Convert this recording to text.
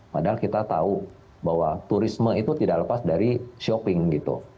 padahal kita tahu bahwa turisme itu tidak lepas dari shopping gitu